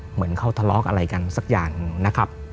เหมือนเขาทะเลาะอะไรกันสักอย่างนะครับ